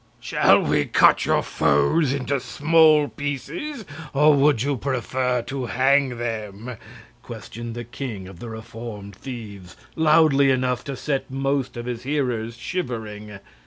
"Shall we cut your foes into small pieces, or would you prefer to hang them?" questioned the King of the Reformed Thieves, loudly enough to set most of his hearers shivering.